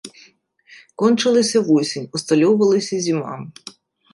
Кончылася восень, усталёўвалася зіма.